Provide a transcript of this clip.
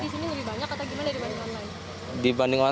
jadi di sini lebih banyak atau gimana dibanding online